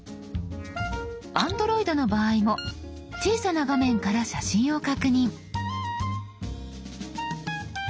Ａｎｄｒｏｉｄの場合も小さな画面から写真を確認。